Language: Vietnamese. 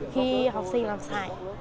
khi học sinh làm sai